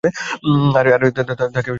আরে, তাকে স্পর্শ করবেন না!